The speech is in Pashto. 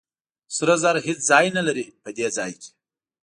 سرو زرو هېڅ ځای نه لري په دې ځای کې.